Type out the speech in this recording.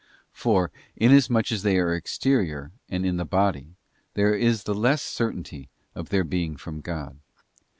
For, inasmuch as they are exterior and in the body, there is the less certainty of their being from God.